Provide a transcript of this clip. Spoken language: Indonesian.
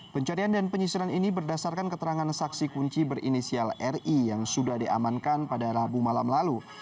pencarian dan penyisiran ini berdasarkan keterangan saksi kunci berinisial ri yang sudah diamankan pada rabu malam lalu